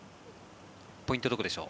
ポイントはどこでしょう。